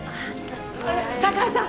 酒井さん！